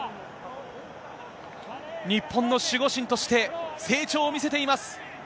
日本の守護神として成長を見せています。